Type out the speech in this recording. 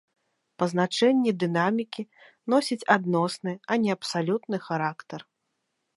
Пазначэнні дынамікі носяць адносны, а не абсалютны характар.